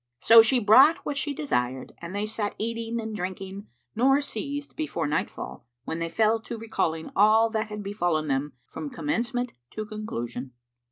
So she brought what she desired and they sat eating and drinking nor ceased before nightfall, when they fell to recalling all that had befallen them from commencement to conclusion.